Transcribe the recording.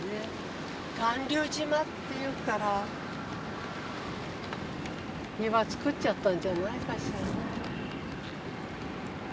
巌流島っていうから岩作っちゃったんじゃないかしら。